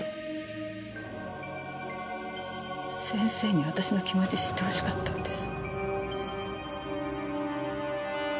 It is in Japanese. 先生に私の気持ち知ってほしかったんです。